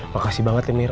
makasih banget nih mir